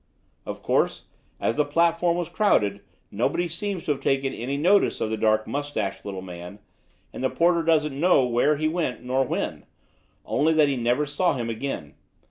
Of course, as the platform was crowded, nobody seems to have taken any notice of the dark moustached little man; and the porter doesn't know where he went nor when only that he never saw him again.